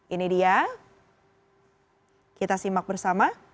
ini dia kita simak bersama